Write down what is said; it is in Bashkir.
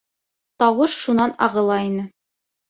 Тауыш шунан ағыла ине.